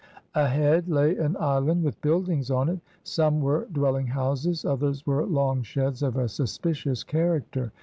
Ahead lay an island with buildings on it. Some were dwelling houses, others were long sheds of a suspicious character.